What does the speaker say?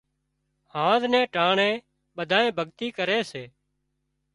هانز نين ٽانڻي ٻڌانئين ڀڳتي ڪري سي